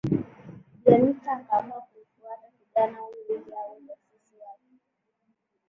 Bi Anita akaamua kumfuata kijana huyo ili awe jasusi wake